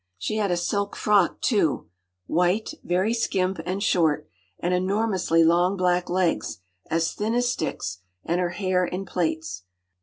She had a silk frock too—white, very skimp, and short; and enormously long black legs, as thin as sticks; and her hair in plaits.